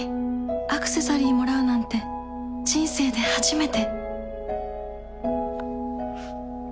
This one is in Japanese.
アクセサリーもらうなんて人生で初めて